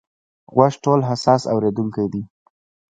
غوږ ټولو حساس اورېدونکی دی.